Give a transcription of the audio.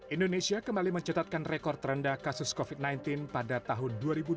indonesia kembali mencatatkan rekor terendah kasus covid sembilan belas pada tahun dua ribu dua puluh